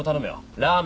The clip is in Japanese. ラーメン。